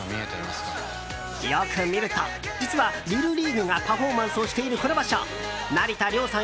よく見ると、実はＬＩＬＬＥＡＧＵＥがパフォーマンスをしているこの場所成田凌さん